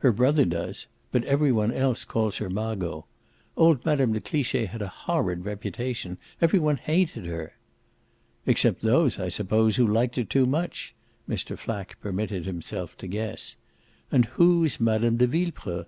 "Her brother does; but every one else calls her Margot. Old Mme. de Cliche had a horrid reputation. Every one hated her." "Except those, I suppose, who liked her too much!" Mr. Flack permitted himself to guess. "And who's Mme. de Villepreux?"